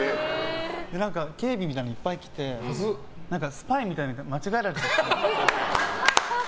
警備みたいなのいっぱい来てスパイみたいなのに間違えられて。